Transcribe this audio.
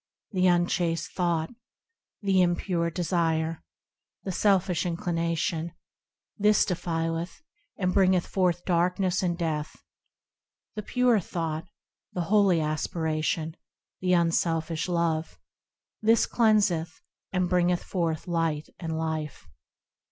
The unchaste thought, The impure desire, The selfish inclination, This defileth, and bringeth forth darkness and death. The pure thought, The holy aspiration, The unselfish love, This cleanseth, and bringeth forth Light and Life.